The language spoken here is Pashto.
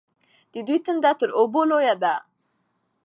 د دوی تنده تر اوبو لویه وه.